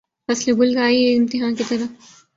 فصل گل آئی امتحاں کی طرح